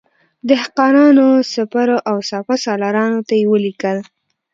دهقانانو، سپرو او سپه سالارانو ته یې ولیکل.